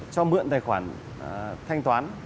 cho mượn tài khoản thanh toán